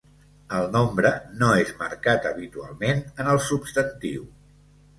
El nombre no és marcat habitualment en el substantiu.